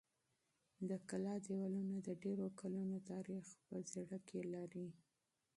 د کلا دېوالونه د ډېرو کلونو تاریخ په زړه کې لري.